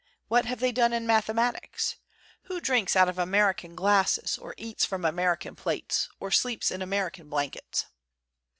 What have they done in mathematics? Who drinks out of American glasses? or eats from American plates? or sleeps in American blankets?